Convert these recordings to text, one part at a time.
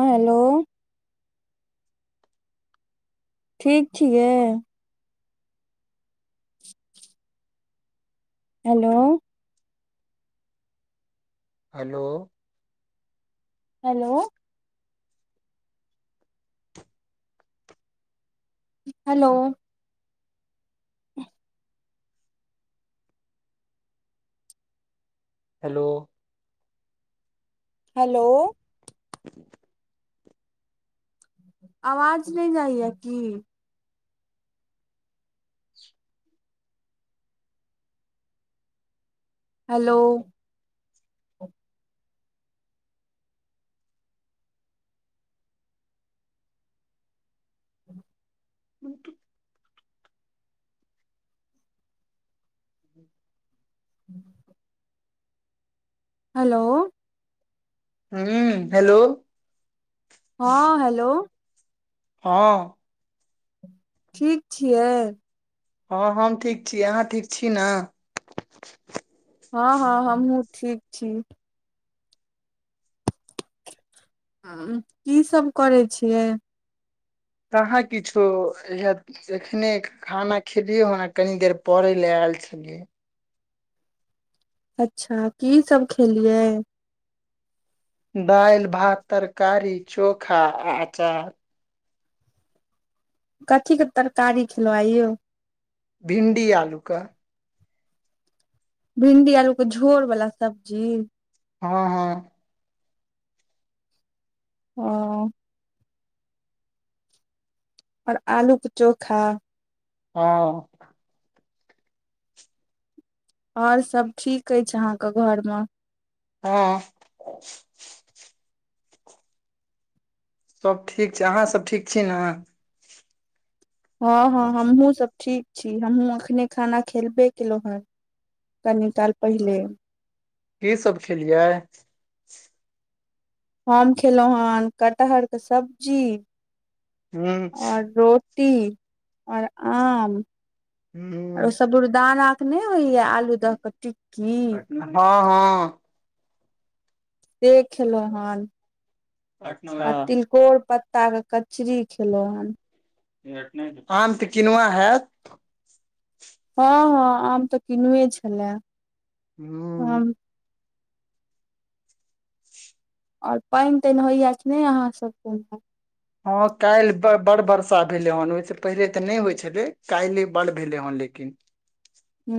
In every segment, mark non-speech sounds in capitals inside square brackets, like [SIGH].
हँ हेलो ठीक छियै [UNINTELLIGIBLE] hello hello hello hello [INAUDIBLE] hello hello [UNINTELLIGIBLE] आवाज नै जाइय की [INAUDIBLE] हेलो [UNINTELLIGIBLE] [UNINTELLIGIBLE] [INAUDIBLE] हेलो हू हेलो हँ हेलो हँ ठीक छियै हँ हम ठीक छी अहाँ ठीक छी न हँ हँ हमहुँ ठीक छी की सब करै छियै कहाँ किछो एखने खाना खेलियै हना कनी देर परै लऽ ऐल छलियै अच्छ की सब खेलियै दाइल भात तरकारी चोखा आ अचार कथीक कऽ तरकारी खिलौ आइ यौ भिणडी आलूके भिंडी आलू के झोर वाल्ला सब्जी हँ हँ अ आओर आलू के चोखा हँ आओर सब ठीक अछि अहाँके घर म हँ सब ठीक छै अहाँसभ ठीक छी ने हँ हँ हमहु सब ठीक छी हमहहुँ अखने खाना खेलबे केलहुँ हँ कनी काल पहिले की सब खेलियै हम खेलौ हन कटहर के सब्जी हूँ आओर रो टी आओर आम आर ओ हूँ सबुरदना के नहि होइया आलू द क टिक्की हँ हँ से खेलौ हन अच्छा आ तिल -कोड़ पत्ता के कचरी खेलौ हन आम तऽ किनुआ हेएत हँ हँ आम तऽ किनुए छेला हुॅं हँ आओर पाइनि ताइनि होइया कि नाय अहाँ सब क हँ काल्हि बड़ वर्षा भेलै हेन ओहिस पहिले तऽ नय होइ छलै काल्हि बड़ भेलै हेन लेकिन हू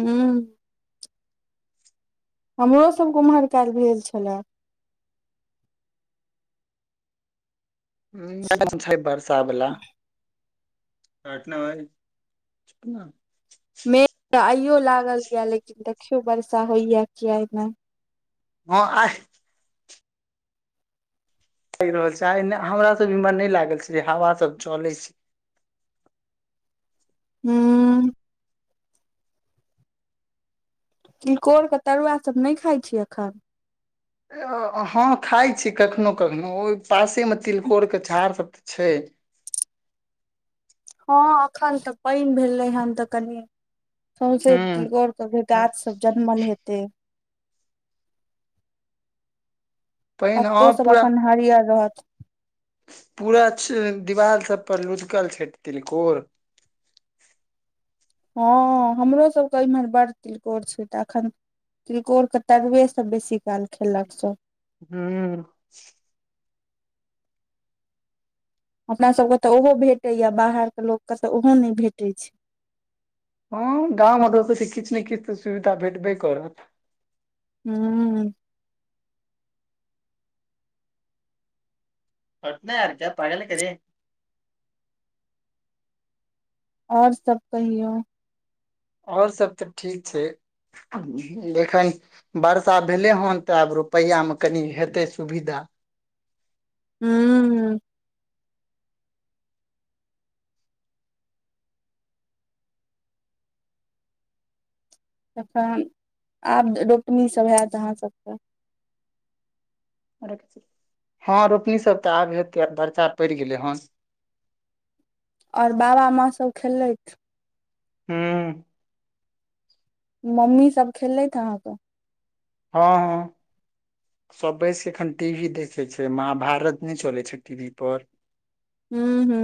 हमरो सबके ओम्हर काल्हि भेल छलए [UNINTELLIGIBLE] छै बरसा बल्ला कटना भाई मेघ तऽ आइयो लागल यए लेकिन देखियो वर्षा होइया कि आय नाय हँ आय लैग रहल छै आय हमरा सब इमर नै लागल छै हवा सब चले छै हुॅं तीलकोर के तरुआ सब नै खाइ छी एखन हँ खाइ छी कखनो कखनो ओहि पासेमे तिलकोरके झार सभ तऽ छै हँ एखन तऽ पैन भेलै हन तऽ कनि ह सौंसे ति गोर क गाछ सब जनमल हेतै पानि हँ पात्तो सब पूरा एखन हड़ियर रहत पूरा च दिवाल सब पर लुधकल छै तिलकोर हँ हमरो सभके इमहर बड़ तिलकोर छै तऽ एखन तिलकोर के तरूए सब बेसी काल खेलक सब हुॅं हमरा सबके तऽ ओहो भेटैया बाहर के लोक के तऽ ओहो नै भेटै छै हँ गाँवमे [UNINTELLIGIBLE] त किछ नै किछ तऽ सुविधा भेटबे करत हुॅं [INAUDIBLE] करे आओर सभ कहियौ आओर सभ तऽ ठीक छै एखन वर्षा भेलै हन तऽ आब रुपैआमे कनि हेतै सुविधा। हू। तखन आब रोपनी सभ होत अहाँ सभके हँ रोपनी सभ तऽ आब हेतै बर्चा पड़ि गेलै हन और बाबा माँ सभ खेलैत हू। मम्मी सभ खेलले ह अहाँकेँ हँ हँ। सभ बैसिकऽ एखन टी वी देखै छै महाभारत नहि चलै छै टी वी पर हू हू।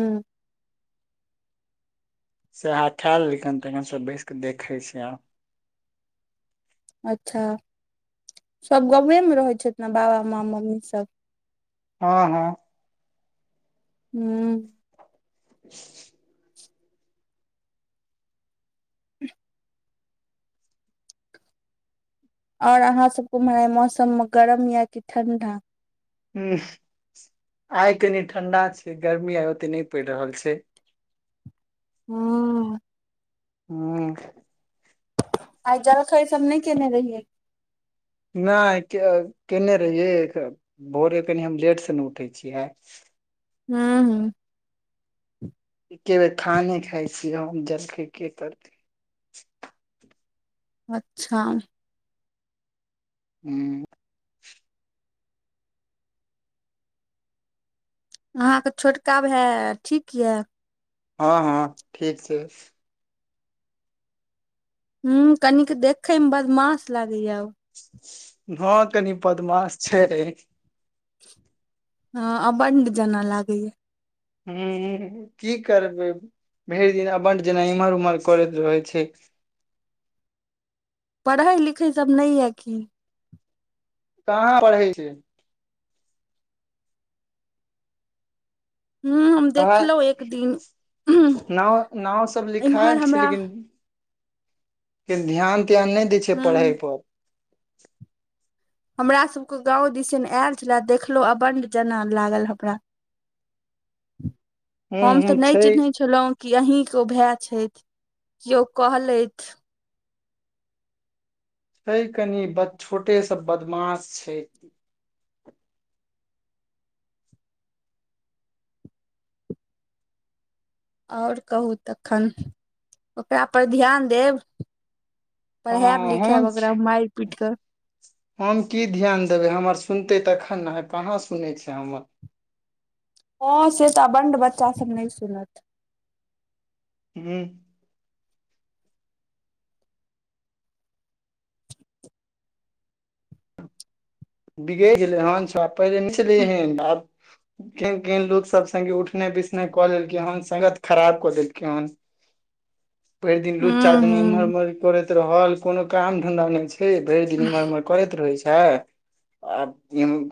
सेह खा लखन तखन सभ बैस क देखे छी आब अच्छा सभ गाेमे रहै छथि ने बाबा माँ मम्मी सभ हँ हँ। हू। [UNINTELLIGIBLE] और अहाँ सभ घुमरा मौसम मे गरम या की ठंडा ह आइ कनी ठंडा छै गर्मी आइ ओते नहि पड़ि रहल छै। हँ। हू। आइ जल खा ई सभ नहि केने रहियै नहि केने रहिये भोरे कनि हम लेट से नहि उठै छियै हे। हू हू। एक के बेर खाने खाइ छियै हम जलखै के करते अच्छा। हूँ। अहाँकेँ छोटका भाय ठीक यऽ हँ हँ ठीक छै। ह कनिक देखे मे बदमाश लागैया ह कनि बदमाश छै ह आबन्द जना लागे या ह कि करबै भरि दिन अबंट जेना इम्हर उम्हर करैत रहै छै पढ़ै लिखै सभ नहि यए कि कहाँ बढ़ै छै। हू हम कहाँ देखलहुँ एक दिन। नाव नाव सभ इम्हर लिखायल छै हमरा लेकिन ध्यान त्यान नहि दै छै पढ़ै हूँ पर। हमरा सभके गाव दिसन आयल छलए देखलहु अबंड जना लागल हमरा [INAUDIBLE] हम तऽ ह नहि छै चिन्हैत छलहुँ कि अही के ओ भाय छथि किओ कहलथि ह कनी छोटे सभ बदमाश छै आओर कहू तखन ओकरापर ध्यान देब। पर हँ हैम लिखैब हम अकरा मारि पीट कऽ हम की ध्यान देबै हमर सुनतै तखन ने हइ कहाँ सुनै छै हमर। हँ से तऽ बंड बच्चा सभ नहि सुनत हू बिगड़ छलै ह पहिले नलिय है केन केहन लोको सभ स्गे उठने बिसने कऽ लेलकिन हन स्त खराब कऽ देलक हन भरि दिन लुच्चा हूँ हूँ इम्हरमर करैत रहल कोनो काम धंधा नहि छै। भरि दिन करैत रहै छै। आ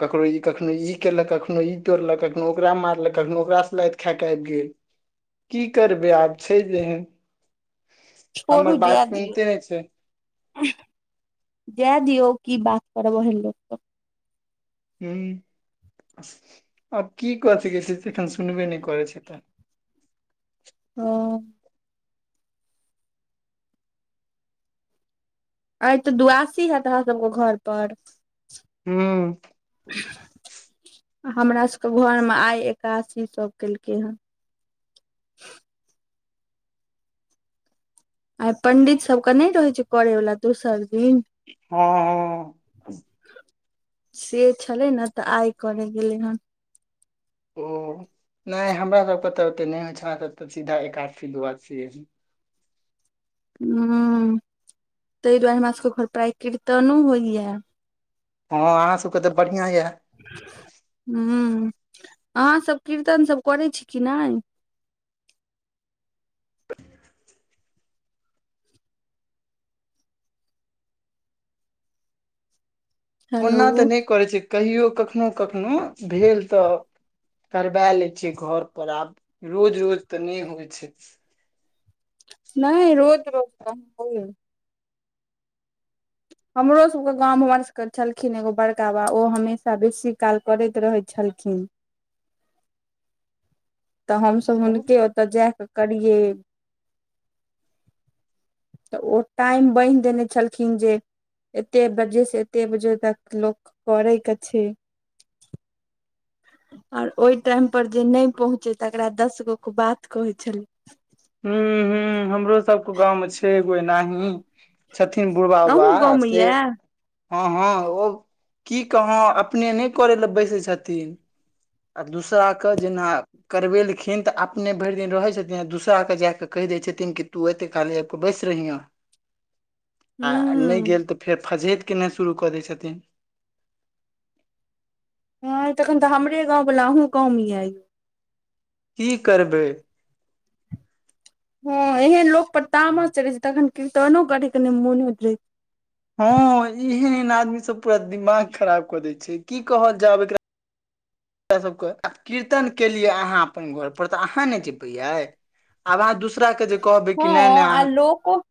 ककरो ई कखनो ई केलक कखनो ई तोड़लक कखनो ओकरा मारलक कखनो ओकराँ खक आबि गेल की करबै आब छै जेहन। हमर बात सुनते नहि छै। जाइ दियौ कि बात कर बल लोक तऽ ह आब कि कऽ से छै से एखन सुनबे नहि करै छै तऽ ओ। अ तऽ दुआसी हयत अहरा सभके घर पर ह हमरा सभके घर मे आइ एकासी सभ केलकै हे आइ पंडित सभके नहि रहैत छै करयवला दोसर दिन ह ह से छलै ने तऽ आइ करे गेलै हेन। ओ नहि हमरा सभके त ओते नहि होइ छै हम सीधा एकादशी दुआ ह ताहि दुआरे हमरा सभके घर प्रा कीर्तनो होइया हँ अहाँ सभके तऽ बढ़िआ यए ह अहाँ सभ कीर्तन सभ करै छी कि नहि हेलो ओना तऽ नहि करै छै कहियो कखनोहु कखनहु भेल तऽ। करबा लै छियै घर पर आब रोज रोज तऽ नहि होइ छै। नहि रोजद ब कै हमरो सभ के गाव हमर सभके छलखिन एगो बड़का बाबा ओ हमेशा बेसी काल करैत रहे छलखिन ख [INAUDIBLE] तऽ हमसभ हू हुनके ओतय जा कऽ करियै। तऽ ओ टाइम बान्हि देने छलखिन जे। एते बजे से एते बजे तक लोक करै के छै। और ओहि टाइम पर जे नहि पहुंचे तकरा दस गो के बात कहे छलै। ह ह हमरो सभके गाव मे छै एगो एनाही छथिन बुढ़बा अहूँ गाँव बाबा मे ये से। हँ हँ ओ की कह अपने नहि करय लए बैसै छथिन। आ दूसरा के जेना करवेलखिन तऽ अपने भरि दिन रहे छथिन दूसरा। केऽ जा कऽ कहि दै छथिन कि तू एते खाली आब कऽ बैस रहिहे। आ हूं नहि गेल तऽ फेर फजहेत केनाइ शुरू कऽ दैत छथिन। हँ तखन तऽ हमरे गाव वाला अहहुँ कम ये कि करबै हँ एहन लोक पर ताम चढ़े छै तखन तहनो कि मोन होइत रहै छै। हँ एहन एहन आदमी सभ पूरा दिमाग खराब कऽ दै छै की कहल जायब एकरा इ सभ आ कीर्तन केलियै अहाँ अपन घर पर तऽ अहाँ ने जेबैयै। आब अहाँ दूसरा के जे कहबै कि नहि नहि अहाँ। रोको को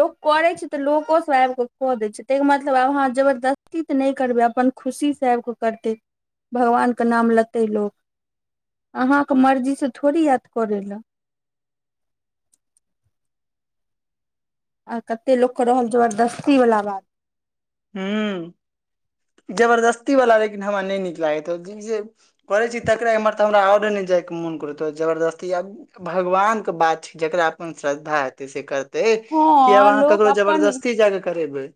लोक करैत छै तऽ लोकोसभ आबि कऽ कऽ दै छै ताहिके मतलब आब अहाँ जबरदस्ती त नहि करबै अपन। खुशी स आब कऽ करतै भगवानके नाम लेतै लोक अहाँकेँ मर्जी से थोड़ी आयत करै लए आ कते लोक के रहल जबरदस्ती वाला बात हू जबरदस्ती वाला लेकिन हमरा नहि नीक लागैत करै छी तकरा एमहर तऽ हमरा आओरे नहि जाइके मोन करत तो जबरदस्ती आबू। भगवानके बात छै जकरा अपन श्रद्धा हेतै स करतै ते कि हँ आब अहाँ करो जबरदस्ती जाकऽ करेबै।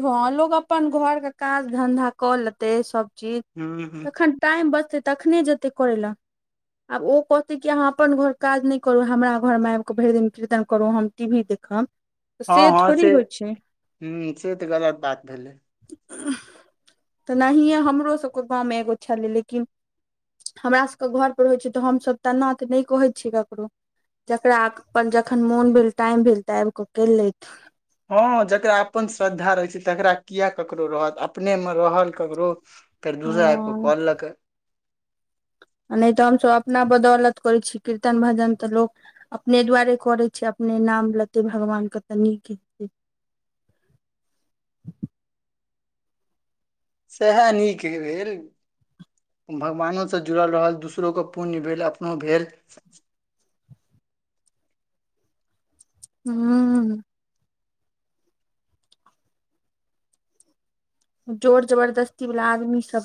ह लोक अपन घरके काज धन्धा कऽ लेतै सभ चीज हूं हूं तखन। टाइम बचतै तखने जेतै करै लऽ आब ओ कहते की अहाँ अपन घर काज नहि कर हमरा घरमे आब के भरि दिन कीर्तन करु हम टी वी देख। हैं। हँ ह से ह से तऽ गलत बात भेलै। तनाहिए हमरो सभके गावमे एगो छलै लेकिन हमरा सभके घर परर होइ छै तऽ हमसभ तेना त नहि कहै छियै ककरो। जकरा अपन जखन मोन भेल टाइम भेल त आबि कऽ करि लेथि ह जकरा अपन श्रद्धा रहै छै तकरा किए ककरो रहत अपनेमे रहल ककरो। फेर दोसरा आबि हँ कॉलकै। नहि त हमसभ अपना बदौलत करै छी कीर्तन भजन तऽ लोक अपने दुआरे करे छिय अपने नाम लेते भगवान के त नीक हेतै सएह नीक भेल भगवानोसँ जुड़ल रहल दोसरोके पुण्य भेल अपनो भेल। हू जोर जबरदस्ती वला आदमी सभ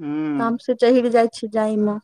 हूं मिस चहिर हर जाइ छै जाइमे।